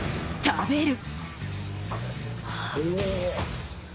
食べる！